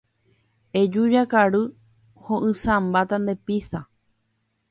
Eju jakaru. Ho’ysãmbáta nde pizza.